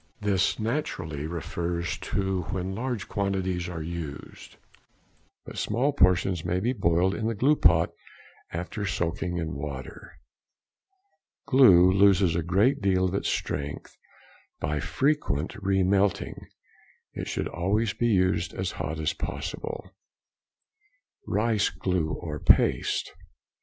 This naturally refers to when large quantities are used, but small portions may be boiled in the glue pot after soaking in water. Glue loses a great deal of its strength by frequent re melting. It should always be used as hot as possible. _Rice glue or paste.